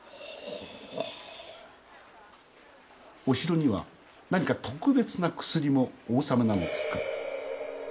お城には何か特別な薬もお納めなのですか？